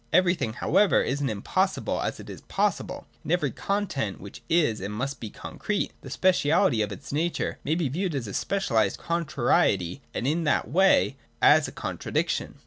Everything however is as impos sible as it is possible. In every content, — which is and must be concrete, — the speciality of its nature may be viewed as a specialised contrariety and in that way as a contradiction.